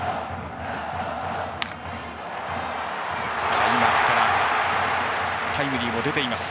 開幕からタイムリーも出ています。